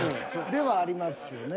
ではありますよね。